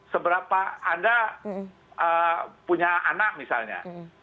seberapa anda punya anak misalnya